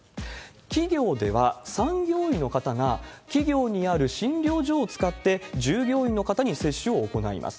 企業では、産業医の方が企業にある診療所を使って従業員の方に接種を行います。